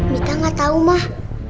mita gak tau mah